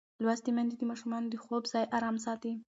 لوستې میندې د ماشومانو د خوب ځای ارام ساتي.